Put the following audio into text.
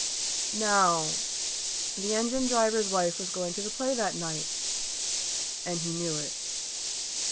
Now the engine driver's wife was going to the play that night, and he knew it.